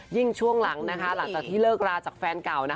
ยิ่งช่วงหลังนะคะหลังถ้าที่เลิกกราบจากแฟนเก่านะ